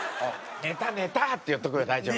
「ネタネタ！」って言っとけば大丈夫。